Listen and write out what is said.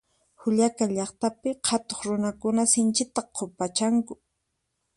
Juliaca llaqtapi qhatuq runakuna sinchita q'upachanku